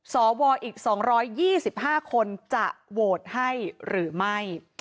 สวอีก๒๒๕คนจะโหวตให้หรือไม่